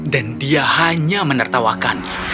dan dia hanya menertawakannya